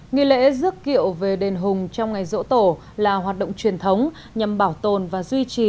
nghi lễ dước kiệu về đền hùng trong ngày rỗ tổ là hoạt động truyền thống nhằm bảo tồn và duy trì